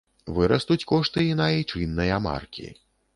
Вырастуць кошты і на айчынныя маркі.